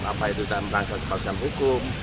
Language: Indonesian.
apa itu dalam rangka kepastian hukum